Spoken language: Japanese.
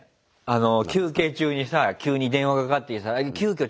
休憩中にさ急に電話かかってきて急きょ